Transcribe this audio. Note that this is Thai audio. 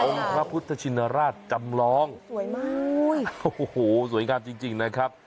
องค์พระพุทธชินราชจำลองสวยงามจริงนะครับ